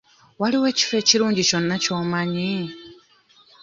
Waliwo ekifo ekirungi kyonna ky'omanyi?